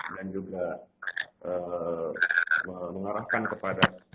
dan juga mengarahkan kepada